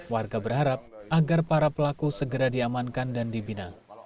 warga berharap agar para pelaku segera diamankan dan dibina